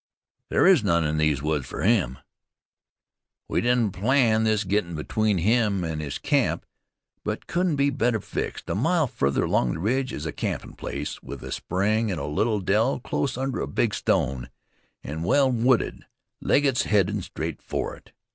"There is none in these woods, fer him." "We didn't plan this gettin' between him an' his camp; but couldn't be better fixed. A mile farther along the ridge, is a campin' place, with a spring in a little dell close under a big stone, an' well wooded. Legget's headin' straight fer it.